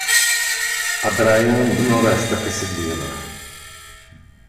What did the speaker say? A Brian non resta che seguirla.